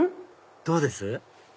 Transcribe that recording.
どうです？